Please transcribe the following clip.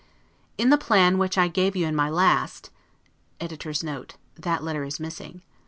In the plan which I gave you in my last, [That letter is missing.